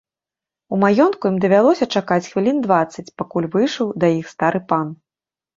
У маёнтку ім давялося чакаць хвілін дваццаць, пакуль выйшаў да іх стары пан.